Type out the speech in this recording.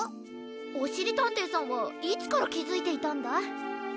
おしりたんていさんはいつからきづいていたんだ？